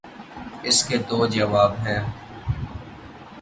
اس کے دو جواب ہیں۔